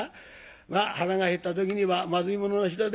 まあ腹が減った時にはまずいものなしだで。